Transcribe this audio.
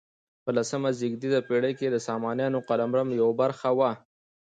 په لسمه زېږدیزې پیړۍ کې د سامانیانو قلمرو یوه برخه وه.